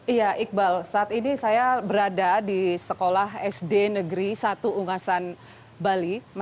iya iqbal saat ini saya berada di sekolah sd negeri satu ungasan bali